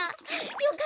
よかった！